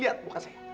lihat lihat muka